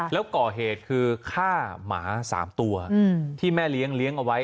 แล้วก่อเหตุคือฆ่าหมา๓ตัวที่แม่เลี้ยงเลี้ยงเอาไว้